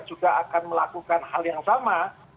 juga akan melakukan hal yang sama